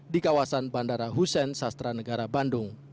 di kawasan bandara hussein sastra negara bandung